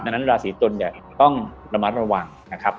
ดังนั้นราศีตุลเนี่ยต้องระมัดระวังนะครับ